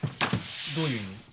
どういう意味？